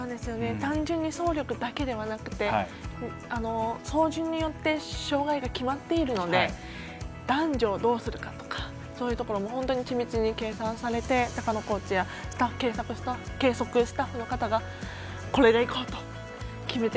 単純に走力だけじゃなくて走順によって障がいが決まっているので男女をどうするかとかそういうところも本当に緻密に計算されて高野コーチや計測スタッフの方がこれでいこうと決めて。